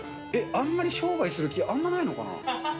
あんまり商売する気あんまりないのかな。